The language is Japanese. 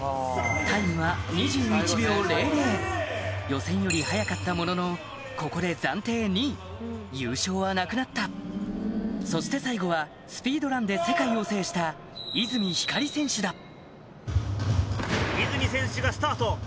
タイムは予選より速かったもののここで優勝はなくなったそして最後はスピードランで世界を制した泉ひかり選手だ泉選手がスタート！